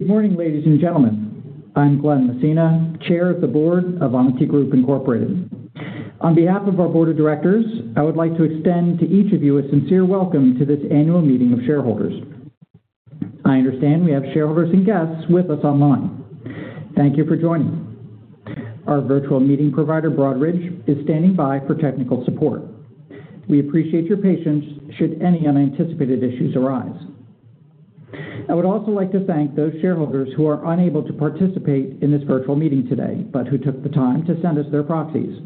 Good morning, ladies and gentlemen. I'm Glen Messina, Chair of the Board of Onity Group Inc. On behalf of our board of directors, I would like to extend to each of you a sincere welcome to this annual meeting of shareholders. I understand we have shareholders and guests with us online. Thank you for joining. Our virtual meeting provider, Broadridge, is standing by for technical support. We appreciate your patience should any unanticipated issues arise. I would also like to thank those shareholders who are unable to participate in this virtual meeting today, but who took the time to send us their proxies.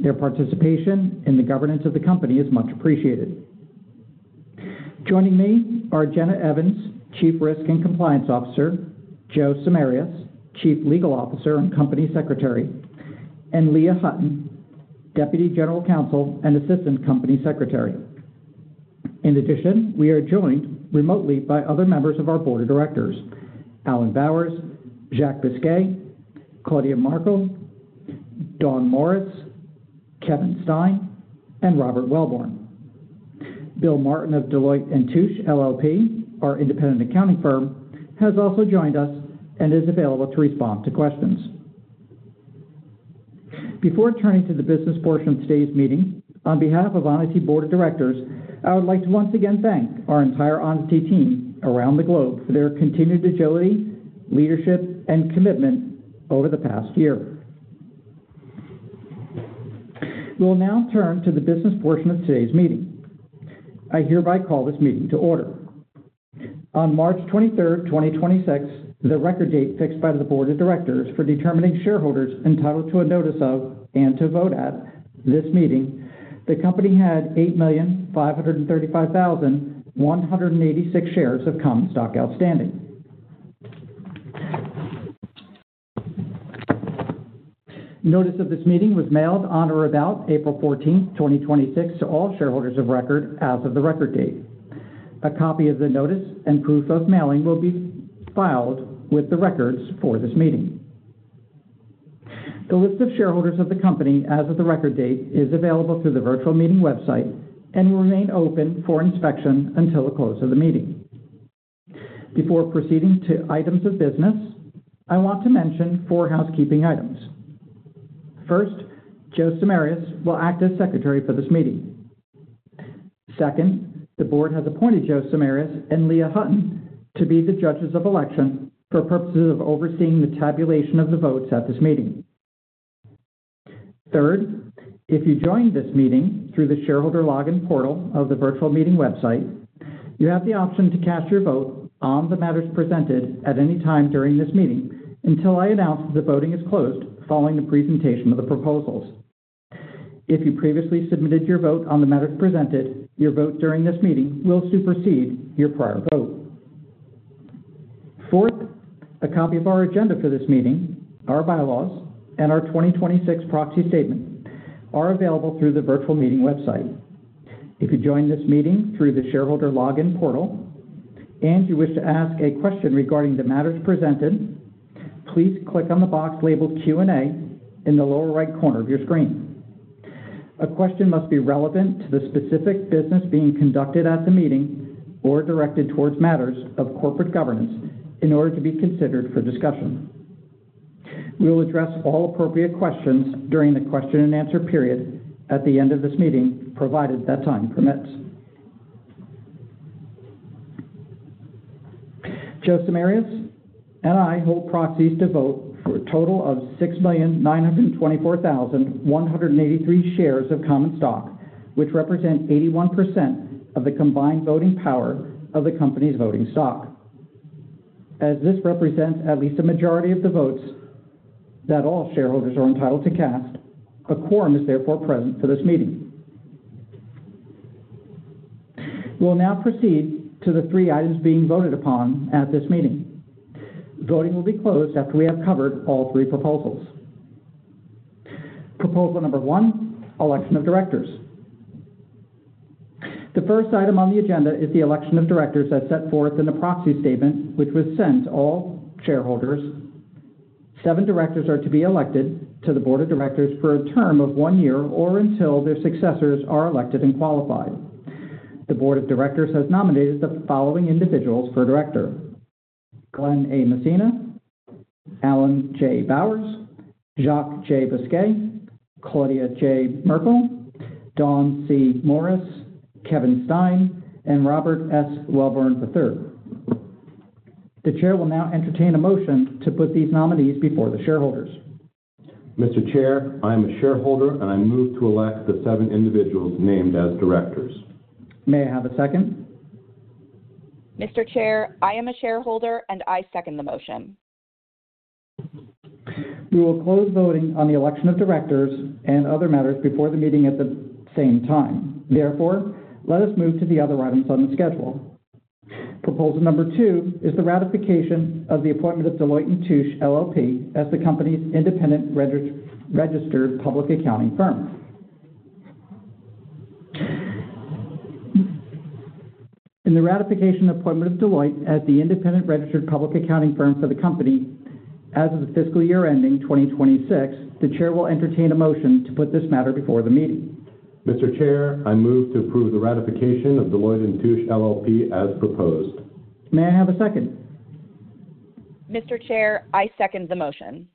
Their participation in the governance of the company is much appreciated. Joining me are Jenna Evans, Chief Risk and Compliance Officer, Joe Samarias, Chief Legal Officer and Company Secretary, and Leah Hutton, Deputy General Counsel and Assistant Company Secretary. In addition, we are joined remotely by other members of our board of directors, Alan Bowers, Jacques Busquet, Claudia Merkle, Don Morris, Kevin Stein, and Robert Welborn. Bill Martin of Deloitte & Touche, LLP, our independent accounting firm, has also joined us and is available to respond to questions. Before turning to the business portion of today's meeting, on behalf of Onity board of directors, I would like to once again thank our entire Onity team around the globe for their continued agility, leadership, and commitment over the past year. We will now turn to the business portion of today's meeting. I hereby call this meeting to order. On March 23rd, 2026, the record date fixed by the board of directors for determining shareholders entitled to a notice of and to vote at this meeting, the company had 8,535,186 shares of common stock outstanding. Notice of this meeting was mailed on or about April 14th, 2026 to all shareholders of record as of the record date. A copy of the notice and proof of mailing will be filed with the records for this meeting. The list of shareholders of the company as of the record date is available through the virtual meeting website and will remain open for inspection until the close of the meeting. Before proceeding to items of business, I want to mention four housekeeping items. First, Joe Samarias will act as secretary for this meeting. Second, the board has appointed Joe Samarias and Leah Hutton to be the judges of election for purposes of overseeing the tabulation of the votes at this meeting. Third, if you joined this meeting through the shareholder login portal of the virtual meeting website, you have the option to cast your vote on the matters presented at any time during this meeting until I announce that the voting is closed following the presentation of the proposals. If you previously submitted your vote on the matters presented, your vote during this meeting will supersede your prior vote. Fourth, a copy of our agenda for this meeting, our bylaws, and our 2026 proxy statement are available through the virtual meeting website. If you join this meeting through the shareholder login portal and you wish to ask a question regarding the matters presented, please click on the box labeled Q&A in the lower right corner of your screen. A question must be relevant to the specific business being conducted at the meeting or directed towards matters of corporate governance in order to be considered for discussion. We will address all appropriate questions during the question and answer period at the end of this meeting, provided that time permits. Joe Samarias and I hold proxies to vote for a total of 6,924,183 shares of common stock, which represent 81% of the combined voting power of the company's voting stock. As this represents at least a majority of the votes that all shareholders are entitled to cast, a quorum is therefore present for this meeting. We will now proceed to the 3 items being voted upon at this meeting. Voting will be closed after we have covered all 3 proposals. Proposal number 1, election of directors. The first item on the agenda is the election of directors as set forth in the proxy statement, which was sent to all shareholders. 7 directors are to be elected to the board of directors for a term of 1 year or until their successors are elected and qualified. The board of directors has nominated the following individuals for director. Glen A. Messina, Alan J. Bowers, Jacques J. Busquet, Claudia J. Merkle, Don C. Morris, Kevin Stein, and Robert S. Welborn III. The chair will now entertain a motion to put these nominees before the shareholders. Mr. Chair, I am a shareholder, and I move to elect the seven individuals named as directors. May I have a second? Mr. Chair, I am a shareholder, and I second the motion. Therefore, let us move to the other items on the schedule. Proposal number 2 is the ratification of the appointment of Deloitte & Touche LLP as the company's independent registered public accounting firm. In the ratification appointment of Deloitte as the independent registered public accounting firm for the company as of the fiscal year ending 2026, the chair will entertain a motion to put this matter before the meeting. Mr. Chair, I move to approve the ratification of Deloitte & Touche LLP as proposed. May I have a second? Mr. Chair, I second the motion.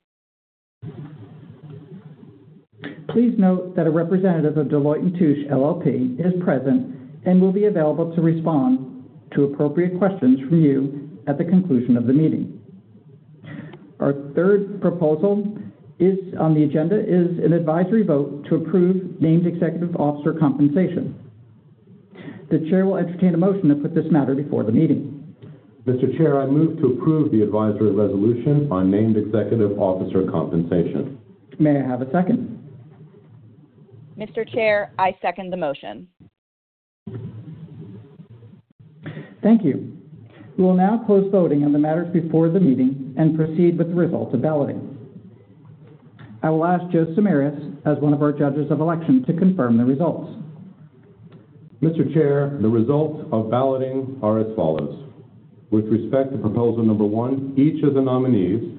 Please note that a representative of Deloitte & Touche LLP is present and will be available to respond to appropriate questions from you at the conclusion of the meeting. Our third proposal, on the agenda, is an advisory vote to approve named executive officer compensation. The chair will entertain a motion to put this matter before the meeting. Mr. Chair, I move to approve the advisory resolution on named executive officer compensation. May I have a second? Mr. Chair, I second the motion. Thank you. We will now close voting on the matters before the meeting and proceed with the results of balloting. I will ask Joe Samarias, as one of our judges of election, to confirm the results. Mr. Chair, the results of balloting are as follows. With respect to proposal number 1, each of the nominees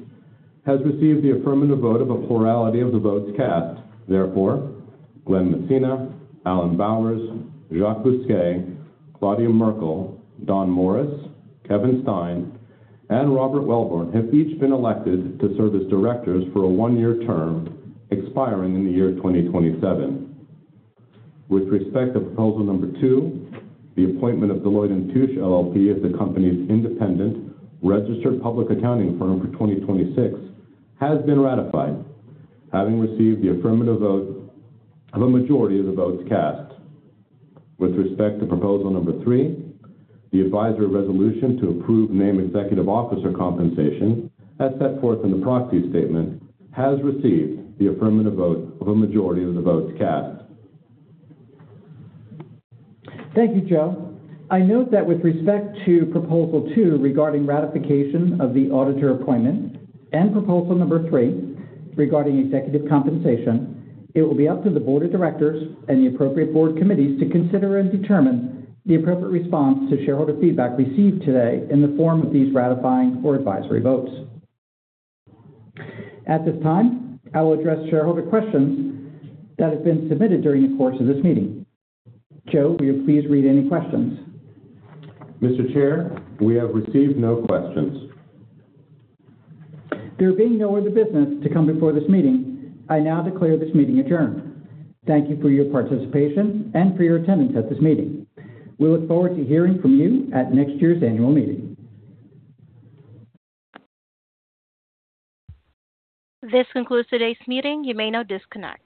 has received the affirmative vote of a plurality of the votes cast. Therefore, Glen Messina, Alan Bowers, Jacques Busquet, Claudia Merkle, Don Morris, Kevin Stein, and Robert Welborn have each been elected to serve as directors for a 1-year term expiring in the year 2027. With respect to proposal number 2, the appointment of Deloitte & Touche LLP as the company's independent registered public accounting firm for 2026 has been ratified, having received the affirmative vote of a majority of the votes cast. With respect to proposal number 3, the advisory resolution to approve named executive officer compensation, as set forth in the proxy statement, has received the affirmative vote of a majority of the votes cast. Thank you, Joe. I note that with respect to proposal 2 regarding ratification of the auditor appointment and proposal number 3 regarding executive compensation, it will be up to the Board of Directors and the appropriate Board Committees to consider and determine the appropriate response to shareholder feedback received today in the form of these ratifying or advisory votes. At this time, I will address shareholder questions that have been submitted during the course of this meeting. Joe, will you please read any questions? Mr. Chair, we have received no questions. There being no other business to come before this meeting, I now declare this meeting adjourned. Thank you for your participation and for your attendance at this meeting. We look forward to hearing from you at next year's annual meeting. This concludes today's meeting. You may now disconnect.